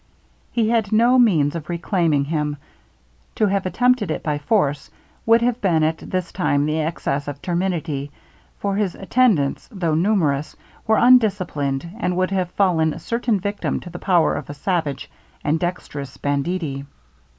He had no means of reclaiming him; to have attempted it by force, would have been at this time the excess of temerity, for his attendants, though numerous, were undisciplined, and would have fallen certain victims to the power of a savage and dexterous banditti.